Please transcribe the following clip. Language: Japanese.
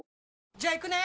じゃあ行くね！